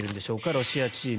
ロシアチーム。